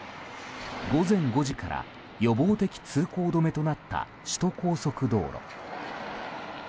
午前５時から予防的通行止めとなった首都高速道路。